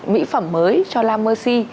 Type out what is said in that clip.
mỹ phẩm mới cho la merci